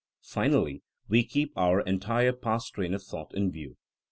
Finally, we keep our entire past train of thought in view.